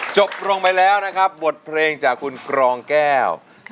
จบลงไปแล้วนะครับบทเพลงจากคุณกรองแก้ว